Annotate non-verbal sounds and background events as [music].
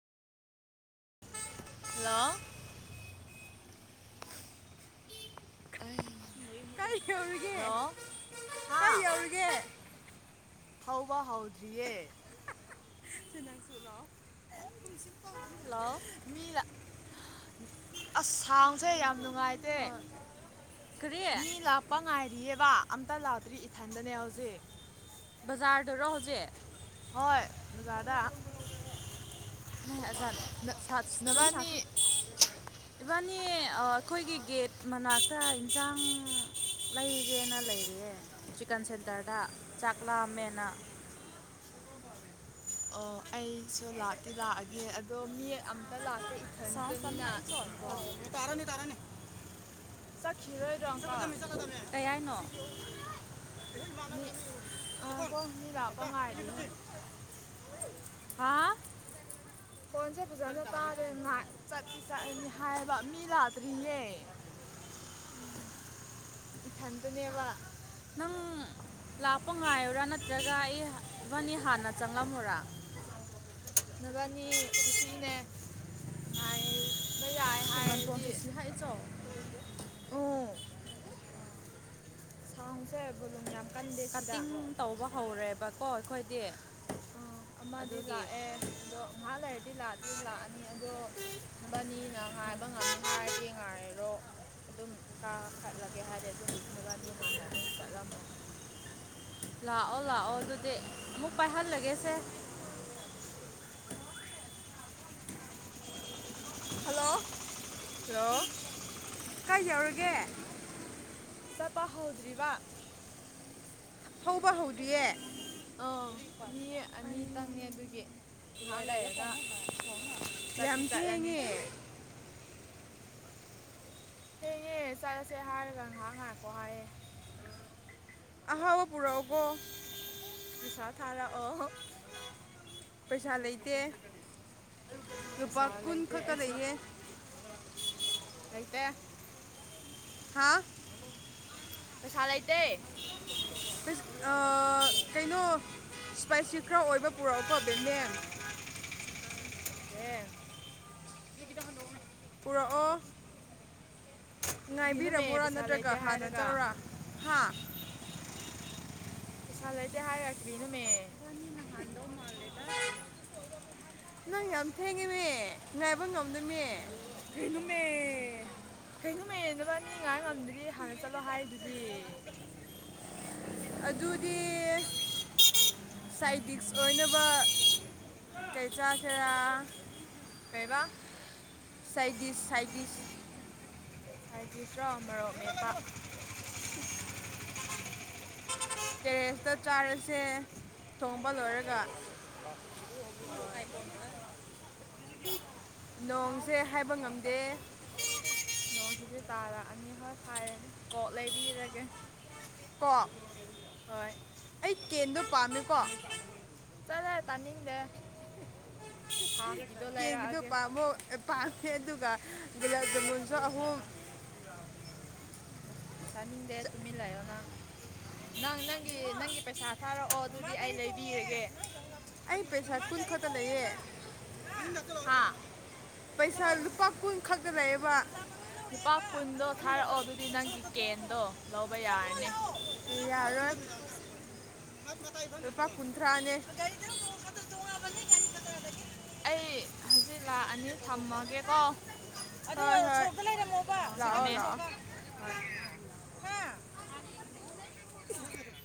Hello ꯀꯥꯏ ꯈꯎꯔꯒꯦ ꯍꯥ ꯀꯥꯏ ꯌꯎꯔꯒꯦ ꯍꯥꯎꯋꯥ ꯍꯥꯎꯗ꯭ꯑꯦ ꯆꯁꯨ ꯂꯣ ꯃꯤ ꯂꯥ- ꯍꯜꯂꯣ ꯑꯁ ꯁꯥꯎꯁꯦ ꯌꯥꯝ ꯅꯨꯡꯉꯥꯏꯇꯦ ꯍꯣꯏ ꯀꯔꯤ ꯃꯤ ꯂꯥꯛꯄ ꯉꯥꯏꯔꯤꯑꯕ ꯑꯝꯇ ꯂꯥꯎꯇ꯭ꯔꯤ ꯏꯊꯟꯗꯅꯦ ꯍꯧꯖꯤꯛ ꯕꯖꯥꯔꯗꯔꯣ ꯍꯧꯖꯤꯛ ꯍꯣꯏ ꯑꯣꯖꯥꯗ ꯖ ꯁꯥ ꯅ- ꯊ ꯅꯕꯥꯅꯤ ꯁꯥꯇ ꯏꯕꯥꯅꯤ ꯑꯩꯈꯣꯏꯒꯤ ꯒꯦꯠ ꯃꯅꯥꯛꯇ ꯏꯟꯁꯥꯡ ꯂꯩꯒꯦꯅ ꯂꯩꯔꯤꯑꯦ ꯆꯤꯛꯀꯟ ꯁꯦꯟꯇꯔꯗ ꯆꯥꯛ ꯀ꯭ꯂꯥꯃꯦꯅꯥ ꯑꯣ ꯑꯩꯁꯨ ꯂꯥꯛꯇꯤ ꯂꯥꯛꯑꯒꯦ ꯑꯗꯣ ꯃꯤ ꯑ ꯂꯥꯛꯀ ꯁꯥꯁ ꯏꯊꯗ ꯃꯤꯅ ꯇꯟꯍꯥꯛꯏ ꯆꯣꯠꯀꯣ ꯇꯥꯔꯅꯦ ꯇꯥꯔꯅꯦ ꯀꯩ [unintelligible] ꯍꯥꯏꯅꯣ ꯑ ꯀ ꯂꯄꯉꯥꯏꯔꯅꯤ ꯑ ꯐꯣꯟꯁꯦ ꯐꯖꯅ ꯇꯥꯗ꯭ꯔꯦ ꯉꯍꯥꯛ ꯆꯠꯁꯤ ꯆꯠꯂꯅꯤ ꯍꯥꯏꯕ ꯃꯤ ꯂꯥꯛꯇ꯭ꯔꯤꯌꯦ [unintelligible] ꯏ ꯀꯟꯗꯨꯅꯦꯕ ꯅꯪ ꯂꯥꯛꯄ ꯉꯥꯏ꯭ꯔꯥ ꯅꯠꯇ꯭ꯔꯒ ꯑꯩ ꯏꯚꯅꯤ ꯍꯥꯟꯅ ꯆꯪꯂꯝꯃꯨꯔꯥ ꯄꯕꯅꯤ ꯈꯨꯁꯤꯅꯦ ꯃꯥꯏ ꯀꯨꯝꯃꯟ ꯇꯣꯟ ꯆꯁꯤ ꯍꯥꯏꯆꯥꯎ ꯁꯥꯥꯎꯁꯦꯣ ꯌꯥꯝ ꯀꯟꯗꯦ ꯁꯤꯗ ꯀꯠꯇꯤꯡ ꯇꯧꯕ ꯍꯧꯔꯦꯕꯀꯣ ꯑꯩꯈꯣꯏꯗꯤ ꯑ ꯑꯃꯗꯤ ꯑꯗꯨꯒꯤ ꯂꯥꯛꯑꯦ ꯑꯗꯣ ꯉꯥꯏꯍꯥꯛ ꯂꯩꯔꯗꯤ ꯂꯥꯛꯑꯗꯤꯗꯤ ꯂꯥꯛꯑꯅꯤ ꯃꯤ ꯑꯗꯣꯕꯥꯅꯤꯅ ꯉꯥꯏꯕ ꯉꯝ ꯉꯥꯏꯒꯤꯦ ꯉꯥꯏꯔꯔꯣ ꯑꯗꯨꯝ ꯀꯥ ꯀꯠꯂꯒꯦ ꯍꯥꯏꯔꯗꯤ ꯑꯗꯨꯝ ꯅꯨꯕꯥꯅꯤ ꯍꯥꯟꯅ ꯑꯗꯨꯝ ꯆꯠꯂꯝꯃꯣ ꯂꯥꯛꯑꯣ ꯂꯥꯛꯑꯣ ꯑꯗꯨꯗꯤ ꯑꯃꯨꯛ ꯄꯥꯏꯍꯜꯂꯒꯦꯁꯦ ꯍꯜꯂꯣ ꯍꯂꯣ ꯀꯥꯏ ꯌꯥꯎꯔꯒꯦ ꯆꯄ ꯍꯧꯗ꯭ꯔꯤꯔꯤꯕ ꯍꯧꯕ ꯍꯧꯗ꯭ꯔꯤꯌꯦꯦ ꯑꯥ ꯃꯤ ꯑꯅꯤꯇꯪꯅꯦ ꯑꯗꯨꯒꯤ ꯉꯥꯏꯍꯥꯛ ꯂꯩꯔꯒ ꯌꯥꯝ ꯆꯠꯇꯤ ꯆꯠꯂꯅꯤ ꯊꯦꯡꯉꯦ ꯍꯌꯦꯅꯦ ꯆꯠꯂꯁꯦ ꯍꯥꯏꯔꯒ ꯉꯥꯏꯍꯥꯛ ꯉꯥꯏꯥꯛꯀꯣ ꯍꯥꯏꯌꯦꯦ ꯑꯍꯥꯎꯕ ꯄꯨꯔꯛꯎꯀꯣ ꯄꯤꯁꯥ ꯊꯥꯔꯛꯑꯣ ꯄꯩꯁꯥ ꯂꯩꯇꯦ ꯂꯨꯄꯥ ꯄꯩꯁꯥ ꯀꯨꯟ ꯂꯩꯇꯦ ꯈꯛꯇ ꯑꯩꯁꯨ ꯂꯩꯌꯦ ꯂꯩꯇ ꯍꯥꯥ ꯄꯩꯁꯥ ꯂꯩꯇꯩ ꯑꯩꯁ ꯑ ꯀꯩꯅꯣ ꯏꯁꯄꯥꯏꯁꯤ ꯈꯔ ꯑꯣꯏꯕ ꯄꯨꯔꯛꯑꯣꯀꯣ ꯕꯦꯝꯕꯦꯝ ꯑꯦ ꯏ ꯀꯈꯤꯗ ꯍꯕꯧꯕꯅ ꯄꯨꯔꯛꯑꯣ ꯀꯔꯤꯅꯣꯃꯦ ꯉꯥꯏꯕꯤꯔꯝꯃꯨꯔꯥ ꯄꯩꯁꯥ ꯅꯠꯇ꯭ꯔꯒ ꯂꯩꯇꯦ ꯍꯥꯟꯅ ꯍꯥꯏꯔꯒ ꯆꯥꯎꯧꯔꯥ ꯍꯥ ꯄꯁꯂꯦ ꯍꯥꯏ ꯌꯥ ꯀꯔꯤ ꯅ ꯍꯥꯟꯗꯣ ꯃꯥꯜꯗꯦꯗ ꯅꯪ ꯌꯥꯝ ꯊꯦꯡꯉꯦꯅꯦ ꯉꯥꯏꯕ ꯉꯝꯗꯅꯦꯃꯦ ꯀꯩꯅꯣ ꯃꯔꯗꯕꯅꯤ ꯉꯥꯏ ꯉꯝꯗꯗꯤ ꯍꯥꯟꯅ ꯆꯠꯂꯣ ꯍꯥꯏꯗꯨꯗꯤ ꯑꯗꯨꯗꯤ ꯁꯥꯏꯗꯤꯛꯁ ꯑꯣꯏꯅꯕ ꯀꯩ ꯆꯥꯁꯦꯔꯥ ꯀꯩꯕ ꯆꯩꯗꯤꯁ ꯁꯥꯏꯗꯤꯁ ꯍꯥꯏꯕꯤꯗ꯭ꯔꯣ ꯑꯃꯣꯛ ꯃꯄꯥ [unintelligible] ꯇꯦꯔꯦꯁꯇ ꯆꯥꯔꯁꯦ ꯊꯣꯡꯕ ꯂꯣꯏꯔꯒ ꯍꯣꯏ ꯀꯥꯏ ꯐꯒ ꯅꯣꯡꯁꯦ ꯍꯥꯏꯕ ꯉꯝꯗꯦ ꯁ ꯇꯥꯔ ꯑꯅꯤ ꯍꯣꯏ ꯐꯥꯔꯦꯅꯤ ꯀꯣꯛ ꯂꯩꯕꯤꯔꯒꯦ ꯀꯣ ꯍꯣꯏ ꯑꯩ ꯀꯦꯟꯗꯣ ꯄꯥꯝꯃꯦꯀꯣ ꯆꯠꯂꯦ ꯇꯥꯅꯤꯡꯗꯦ [unintelligible] ꯑ ꯀꯦꯡꯀꯤꯗꯣ ꯄꯥꯝꯃꯣ ꯄꯥꯝꯃꯦ ꯑꯗꯨꯒ ꯒꯨꯂꯥꯞ ꯖꯥꯃꯨꯟꯁꯨ ꯑꯍꯨꯝ [unintelligible] ꯇꯥꯅꯤꯡꯗꯦ ꯇꯨꯃꯤꯟ ꯂꯩꯌꯣ ꯅꯪ ꯅꯪ ꯅꯪꯒꯤ ꯅꯪꯒꯤ ꯄꯩꯁꯥ ꯊꯥꯔꯛꯑꯣ ꯑꯗꯨꯗꯤ ꯑꯩ ꯂꯩꯕꯤꯔꯒꯦ ꯑꯩ ꯄꯩꯁꯥ ꯃꯃꯥ ꯀꯨꯟ ꯒꯥꯔꯤ ꯈꯛꯇ ꯂꯩꯌꯦ ꯊꯣꯡꯉꯦꯕ ꯍꯥ ꯂꯥꯛꯑꯣ ꯄꯩꯁꯥꯨ ꯄꯥ ꯀꯨ ꯈꯛꯒ ꯂꯑ ꯂꯨꯄꯥ ꯀꯨꯟꯗꯣ ꯊꯥꯔꯛꯑꯣ ꯑꯗꯨꯗꯤ ꯅꯪꯒꯤ ꯀꯦꯟꯗꯣ ꯂꯧꯕ ꯌꯥꯔꯅꯤ ꯌꯥꯔꯣꯏ ꯩꯗ ꯂꯨꯄꯥ ꯀꯨꯟꯊ꯭ꯔꯥꯅꯦ ꯇꯣ ꯇꯣꯕꯅꯤ ꯑꯩ ꯍꯧꯖꯤꯛ ꯂꯥꯛꯑꯅꯤ ꯊꯝꯃꯒꯦꯀꯣ ꯑꯗꯣ ꯍꯣꯏ ꯍꯣꯏ ꯁꯣꯔꯣꯛꯇ ꯂꯩꯔꯝꯃꯣꯕ ꯁꯥꯏꯀꯜ ꯂꯥꯛꯑꯣ ꯊꯝꯃꯦ. ꯂꯥꯛꯑꯣ ꯄꯨꯊꯣꯛꯑꯒ ꯍꯥ [unintelligible]